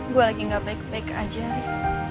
gue lagi gak baik baik aja rif